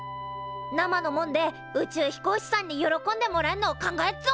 生のもんで宇宙飛行士さんに喜んでもらえるのを考えっぞ。